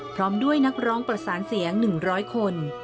พร้อมด้วยนักร้องประสานเสียง๑๐๐คน